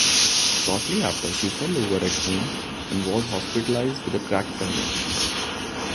Shortly after, she fell over at home, and was hospitalised with a cracked femur.